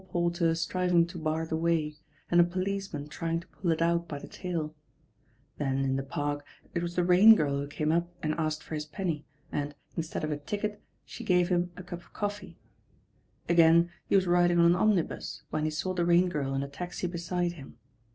porter stnvmg to bar the way, and a policeman try waV°he't;'^ \'\*'^*"'•^^^"^"*^» P ^^t was the Ra n^irl who came up and asked for his penny and instead of a ticket, she gave him a c^p of coffee. Agam. he was riding on an omnibus when he saw the Rain Girl in a taxi beside him.